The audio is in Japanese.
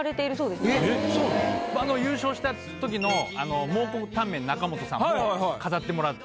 優勝した時の「蒙古タンメン中本」さんも飾ってもらって。